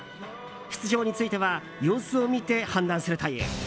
出場については様子を見て判断するという。